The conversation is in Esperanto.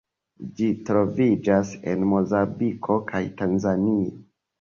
Ĝi troviĝas en Mozambiko kaj Tanzanio.